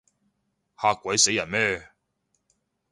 嚇鬼死人咩？